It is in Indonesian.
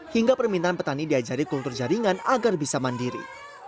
hingga permintaan petani diajari kultur jaringan agar bisa mandiri